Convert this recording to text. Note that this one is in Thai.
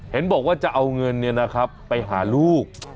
เห็นบอกว่าจะเอาเงินเนี้ยนะครับไปหาลูก